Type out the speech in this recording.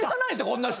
こんな人。